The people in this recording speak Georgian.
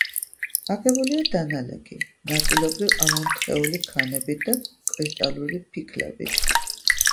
აგებულია დანალექი, ნაწილობრივ ამონთხეული ქანებით და კრისტალური ფიქლებით.